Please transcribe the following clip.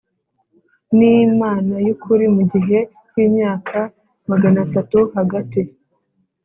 n Imana y ukuri mu gihe cy imyaka magana atatu Hagati